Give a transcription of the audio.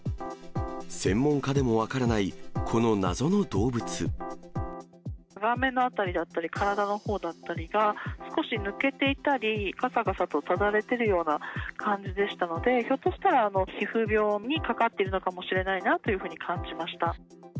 専門家でも分からない、この謎の顔面のあたりだったり、体のほうだったりが、少し抜けていたり、かさかさとただれているような感じでしたので、ひょっとしたら皮膚病にかかっているのかもしれないなと感じまし